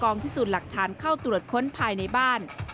พิสูจน์หลักฐานเข้าตรวจค้นภายในบ้าน